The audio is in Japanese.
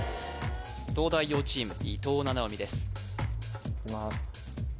東大王チーム伊藤七海ですいきます